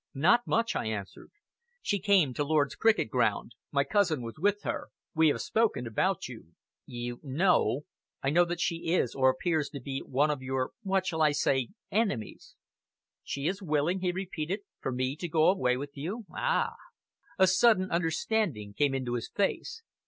"Not much," I answered. "She came to Lord's cricket ground. My cousin was with her. We have spoken about you." "You know " "I know that she is or appears to be one of your what shall I say enemies." "She is willing," he repeated, "for me to go away with you! Ah!" A sudden understanding came into his face.